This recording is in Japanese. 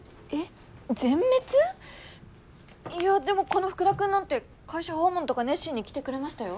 いやでもこの福田君なんて会社訪問とか熱心に来てくれましたよ。